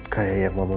kayak ya momen itu